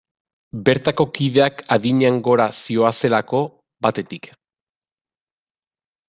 Bertako kideak adinean gora zihoazelako, batetik.